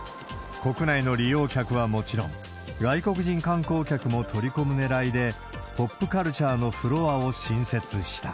国内の利用客はもちろん、外国人観光客も取り込むねらいで、ポップカルチャーのフロアを新設した。